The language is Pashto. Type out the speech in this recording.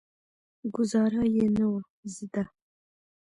ګوزارا یې نه وه زده.